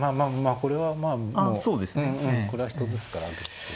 これはまあもうこれは人ですから。